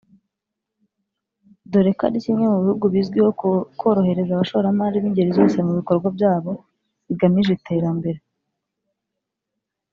dore ko ari kimwe mu bihugu bizwiho korohereza abashoramari b’ingeri zose mu bikorwa byabo bigamije iterambere